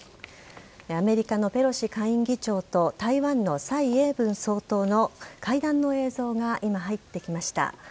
アメリカのペロシ下院議長と台湾の蔡英文総統の会談の映像が今、入ってきました。